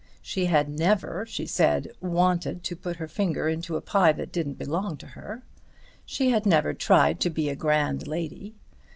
She had never, she said, wanted to put her finger into a pie that didn't belong to her. She had never tried to be a grand lady.